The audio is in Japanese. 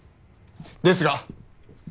ですが。